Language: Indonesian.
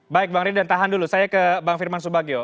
baik bang ridan tahan dulu saya ke bang firman subagio